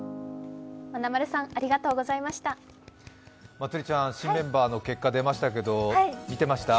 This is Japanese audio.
まなまるさん、ありがとうございました。